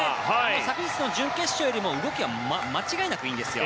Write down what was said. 昨日の準決勝よりも動きは間違いなくいいですよ。